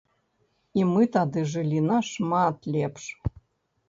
І мы тады жылі нашмат лепш.